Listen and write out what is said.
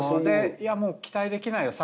期待できないよ